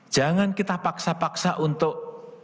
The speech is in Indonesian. jangan kita paksa paksa untuk